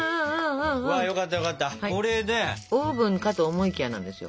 オーブンかと思いきやなんですよ。